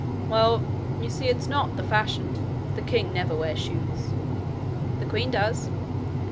'Well, you see, it's not the fashion. The king never wears shoes.' 'The queen does.'